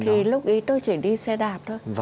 thì lúc ấy tôi chỉ đi xe đạp thôi